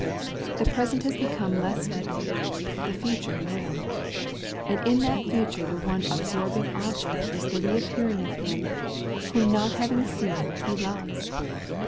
The present has become less tp him, the future more ; and in that future the one absorbing object is the reappearing of Him, whom not having seen he loves.